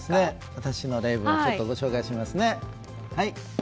私の例文をご紹介しますね。